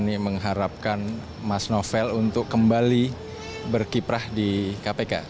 dan mengharapkan mas novel untuk kembali berkiprah di kpk